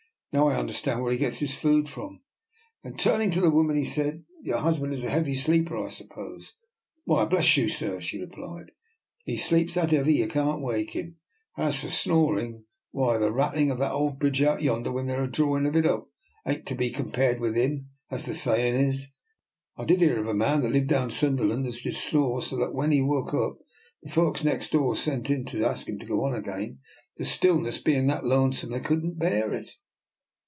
Now I understand where he gets his food from." Then turning to the woman he said, " Your husband is a heavy sleeper, I sup pose? "" Why, bless you, sir," she replied, " he sleeps that heavy you can't wake him. And as for snoring, why, the rattling of that old bridge out yonder, when they're a drawin' of it up, ain't to be compared with him, as the sayin' is. I did hear of a man, when I lived down Sunderland, as did snore so that, when he woke up, the folks next door sent in to ask him to go on again, the stillness bein' that lonesome that they couldn't bear it."